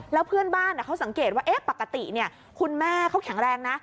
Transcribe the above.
แล้วเพื่อนบ้านเขาสังเกตว่าปกติคุณแม่เขาแข็งแรงนะ